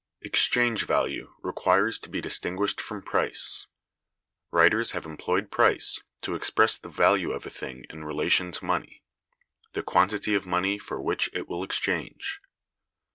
Exchange value requires to be distinguished from Price. Writers have employed Price to express the value of a thing in relation to money—the quantity of money for which it will exchange.